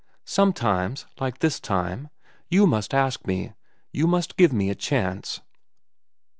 Sometimes, like this time, you must ask me, you must give me a chance."